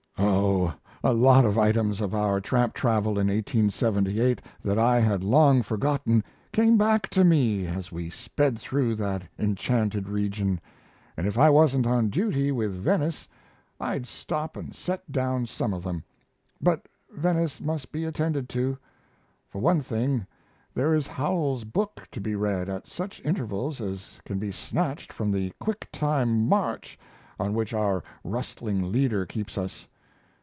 Oh, a lot of items of our tramp travel in 1878 that I had long forgotten came back to me as we sped through that enchanted region, and if I wasn't on duty with Venice I'd stop and set down some of them, but Venice must be attended to. For one thing, there is Howells's book to be read at such intervals as can be snatched from the quick time march on which our rustling leader keeps us.